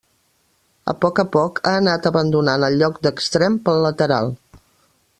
A poc a poc ha anat abandonant el lloc d'extrem pel lateral.